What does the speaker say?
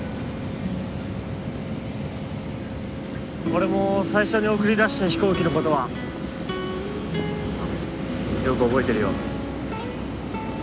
俺も最初に送り出した飛行機の事はよく覚えてるよ。